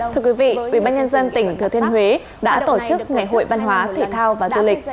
thưa quý vị ubnd tỉnh thừa thiên huế đã tổ chức ngày hội văn hóa thể thao và du lịch